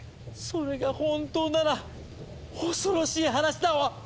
それが本当なら恐ろしい話だわ！